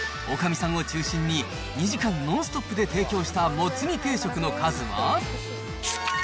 おかみさんを中心に、２時間ノンストップで提供したもつ煮定食の数は。